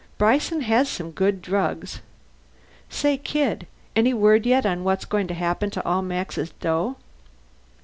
Bryson has some good drugs. Say, kid any word yet on what's going to happen to all Max's dough?"